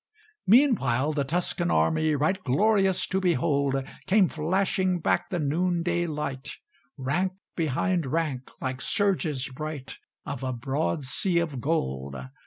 Meanwhile the Tuscan army, Right glorious to behold, Came flashing back the noonday light, Rank behind rank, like surges bright Of a broad sea of gold.